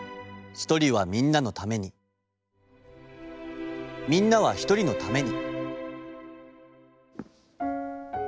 「一人はみんなのためにみんなは一人のために」。